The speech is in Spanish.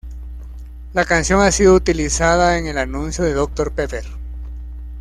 La canción ha sido utilizada en un anuncio de Dr. Pepper.